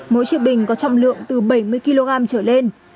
mỗi chiếc bình có trọng lượng từ bảy mươi kg trở lên